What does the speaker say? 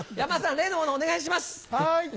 例のものお願いします。